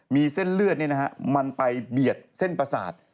มีเส้นเลือดเนี่ยนะฮะมันไปเบียดเส้นประสาท